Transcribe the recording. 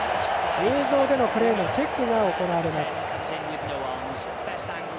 映像でのプレーのチェックが行われます。